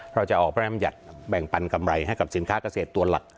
เราจะออกพรรณภัยัตแบ่งปันกำไรให้กับสินค้ากเศษตัวหลัก